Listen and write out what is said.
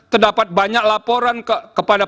terdapat banyak laporan kepada